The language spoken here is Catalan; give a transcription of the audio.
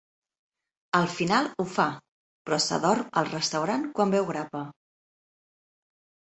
Al final ho fa, però s'adorm al restaurant quan beu grappa.